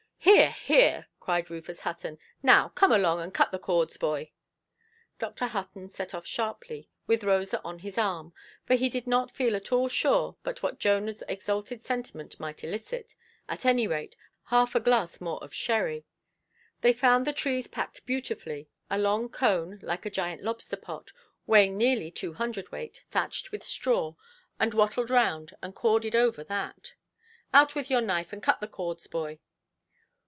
"Hear, hear"! cried Rufus Hutton; "now, come along, and cut the cords, boy". Dr. Hutton set off sharply, with Rosa on his arm, for he did not feel at all sure but what Jonahʼs exalted sentiment might elicit, at any rate, half a glass more of sherry. They found the trees packed beautifully; a long cone, like a giant lobster–pot, weighing nearly two hundred–weight, thatched with straw, and wattled round, and corded over that. "Out with your knife and cut the cords, boy".